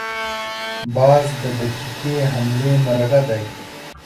باز د دقیقې حملې مرغه دی